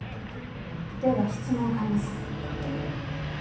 では質問を変えます。